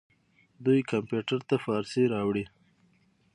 دوی کمپیوټر ته فارسي راوړې.